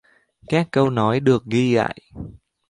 Các câu nói được ghi lại